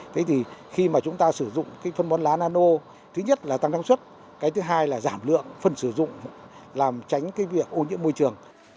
thế thì khi mà chúng ta sử dụng cái phân bón lá nano thứ nhất là tăng năng suất cái thứ hai là giảm lượng phân sử dụng làm tránh cái việc ô nhiễm môi trường